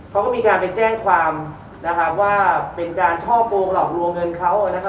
เขาก็มีการไปแจ้งความนะครับว่าเป็นการช่อโกงหลอกลวงเงินเขานะครับ